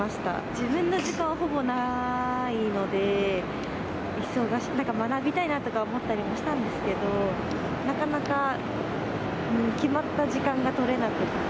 自分の時間がほぼないので、学びたいなとか思ったりもしたんですけれども、なかなか決まった時間が取れなくて。